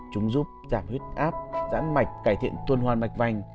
chúng giúp giảm huyết áp giãn mạch cải thiện tuần hoàn mạch vành